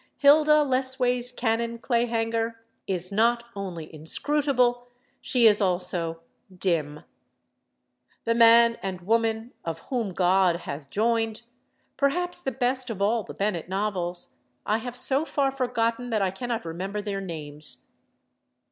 Hilda Lessways Cannon Clayhanger is not only inscrutable; she is also dim. The man and woman of "Whom God Hath Joined," perhaps the best of all the Bennett novels, I have so far forgotten that I cannot remember their names.